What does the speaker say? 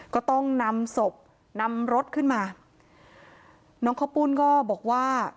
ก็ต้องนำศพนำรถขึ้นมาน้องข้าวปุ้นก็บอกว่า